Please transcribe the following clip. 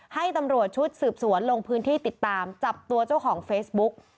ให้ตำรวจชุดสืบสวนลงพื้นที่ติดตามจับตัวเจ้าของเฟซบุ๊ก